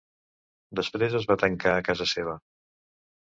Després es va tancar a casa seva.